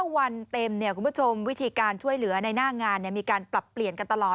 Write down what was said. วันเต็มคุณผู้ชมวิธีการช่วยเหลือในหน้างานมีการปรับเปลี่ยนกันตลอด